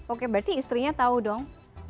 oke berarti istrinya tahu dong